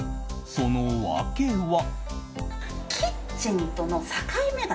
その訳は。